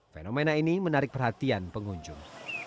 fenomena ini menarik perhatian pengunjung